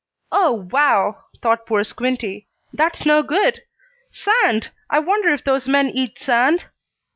"Oh, wow!" thought poor Squinty. "That's no good! Sand! I wonder if those men eat sand?"